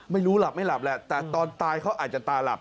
ไม่รู้หลับไม่หลับแหละแต่ตอนตายเขาอาจจะตาหลับ